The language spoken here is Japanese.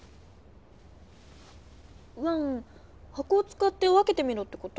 ワンはこをつかって分けてみろってこと？